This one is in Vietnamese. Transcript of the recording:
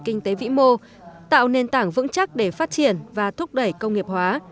kinh tế vĩ mô tạo nền tảng vững chắc để phát triển và thúc đẩy công nghiệp hóa